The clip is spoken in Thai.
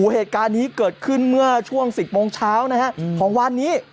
เหตุการณ์นี้เกิดขึ้นเมื่อช่วง๑๐โมงเช้านะฮะของวันนี้